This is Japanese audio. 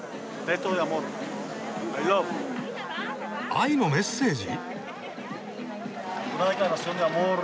愛のメッセージ？